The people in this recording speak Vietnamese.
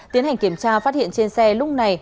tiến hành kiểm tra phát hiện trên xe lúc này